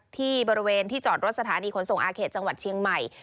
ที่บริเวณที่จอดรถสถานีขนส่งอาเขตจังหวัดเชียงใหม่